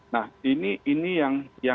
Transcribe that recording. nah ini yang